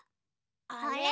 あれ？